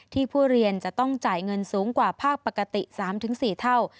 ผู้เรียนจะต้องจ่ายเงินสูงกว่าภาคปกติ๓๔เท่า